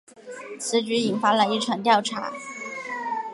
此举引发了一场调查。